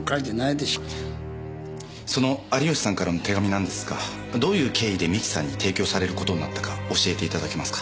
その有吉さんからの手紙なんですがどういう経緯で三木さんに提供されることになったか教えていただけますか？